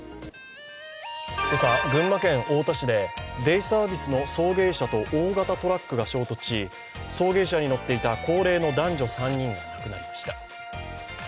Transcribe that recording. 今朝、群馬県太田市でデイサービスの送迎車と大型トラックが衝突し送迎車に乗っていた高齢の男女３人が亡くなりました。